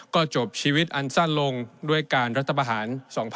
ก็จบชีวิตอันสั้นลงด้วยการรัฐประหาร๒๕๖๒